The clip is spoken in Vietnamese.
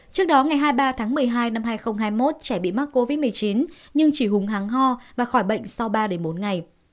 trước đó ngày hai mươi ba tháng một mươi hai năm hai nghìn hai mươi một trẻ bị mắc covid một mươi chín nhưng chỉ hùng háng ho và khỏi bệnh sau ba bốn ngày